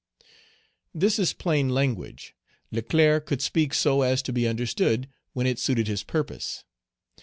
This is plain language. Leclerc could speak so as to be understood, when it suited his purpose.